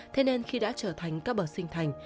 thế nên khi đã trở thành các bậc sinh thành